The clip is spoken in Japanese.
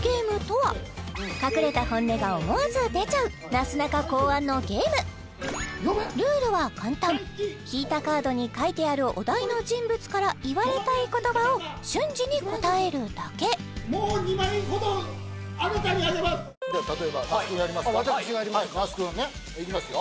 なすなか考案のゲームルールは簡単引いたカードに書いてあるお題の人物から言われたい言葉を瞬時に答えるだけ例えば那須君やりますか私がやりますか那須君ねいきますよ